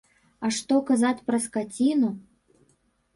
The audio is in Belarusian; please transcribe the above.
А што казаць пра скаціну!